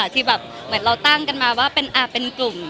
ที่เราตั้งนะจะตามว่าเป็นกลุ่ม